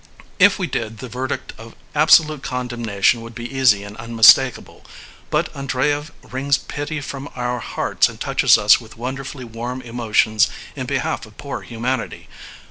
If we did, the verdict of absolute condemnation would be easy and unmistakable. But Andreyev wrings pity from our hearts and touches us with wonderfully warm emotions in behalf of poor humanity.